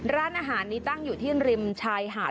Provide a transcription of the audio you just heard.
ร้านอาหารนี้ตั้งอยู่ที่ริมชายหาด